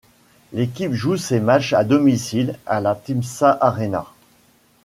L'équipe joue ses matches à domicile à la Timsah Arena.